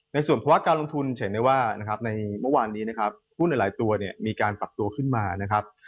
ในส่วนภาวะการลงทุนจะเห็นได้ว่าในเมื่อวานนี้หุ้นหลายตัวมีการปรับตัวขึ้นมา